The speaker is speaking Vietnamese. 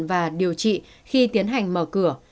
và điều trị khi tiến hành mở cửa